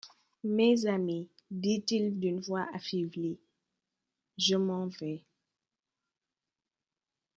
Mes amis, dit-il d’une voix affaiblie, je m’en vais !